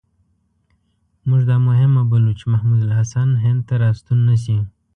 موږ دا مهمه بولو چې محمود الحسن هند ته را ستون نه شي.